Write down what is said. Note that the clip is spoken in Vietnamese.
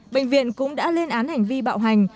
bệnh viện cũng đã lên án hành vi bạo hành